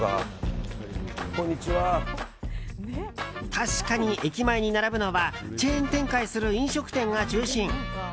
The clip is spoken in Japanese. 確かに駅前に並ぶのはチェーン展開する飲食店が中心。